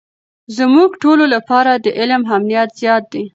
زموږ ټولو لپاره د علم اهمیت زیات دی.